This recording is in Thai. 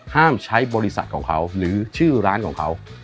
ห้ามใช้บริษัทของเขาหรือชื่อร้านของเขา